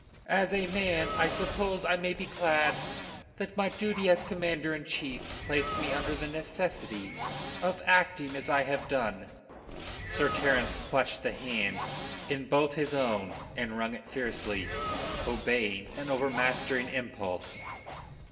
"As a man, I suppose I may be glad that my duty as Commander in Chief placed me under the necessity of acting as I have done." Sir Terence clutched the hand in both his own and wrung it fiercely, obeying an overmastering impulse.